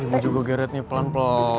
eh mau juga geretnya pelan pelan